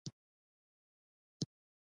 ډبله کرښه پرته وه، د کرښې د ساتنې پوسته.